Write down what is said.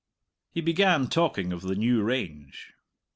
He began talking of the new range.